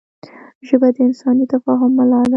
ژبه د انساني تفاهم ملا ده